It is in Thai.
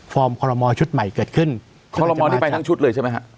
ฟอร์มคอลโลมอล์ชุดใหม่เกิดขึ้นคอลโลมอล์ที่ไปทั้งชุดเลยใช่ไหมครับ